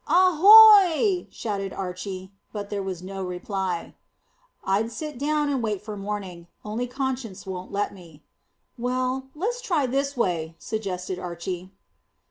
"Ahoy!" shouted Archy, but there was no reply. "I'd sit down and wait for morning, only conscience won't let me." "Well, let's try this way," suggested Archy.